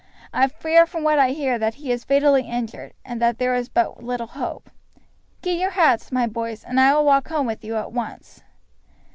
I fear from what I hear that he is fatally injured, and that there is but little hope. Get your hats, my boys, and I will walk home with you at once."